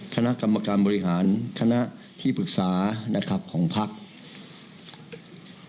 คณะกรรมการบริหารคณะที่ปรึกษานะครับของภักดิ์